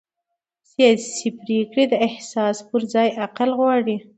سیاسي پرېکړې د احساس پر ځای عقل غواړي